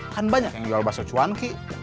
kan banyak yang jual bakso cuanki